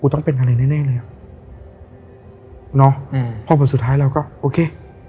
ต้องเป็นอะไรแน่แน่เลยอ่ะเนาะอืมพอผลสุดท้ายเราก็โอเค